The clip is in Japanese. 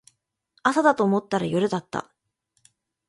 朝だと思ったら夜だった